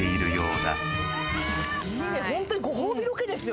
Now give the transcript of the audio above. ホントにご褒美ロケですよ